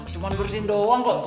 cuman bersihin doang kok